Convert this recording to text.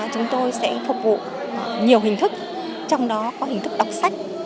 chúng tôi sẽ phục vụ nhiều hình thức trong đó có hình thức đọc sách